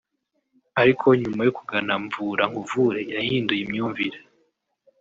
ariko nyuma yo kugana Mvura nkuvure yahinduye imyumvire